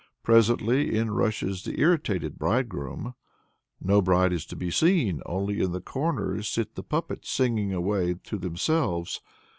Presently in rushes the irritated bridegroom. "No bride is to be seen; only in the corners sit the puppets singing away to themselves."